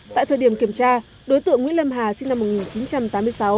tại thời điểm kiểm tra đối tượng nguyễn lâm hà sinh năm một nghìn chín trăm tám mươi sáu